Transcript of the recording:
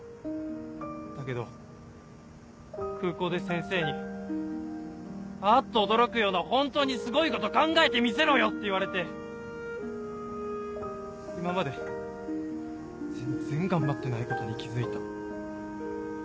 だけど空港で先生に「あっと驚くような本当にすごいこと考えてみせろよ！」って言われて今まで全然頑張ってないことに気付いた。